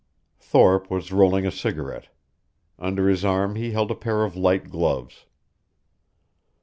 Thorpe was rolling a cigarette. Under his arm he held a pair of light gloves.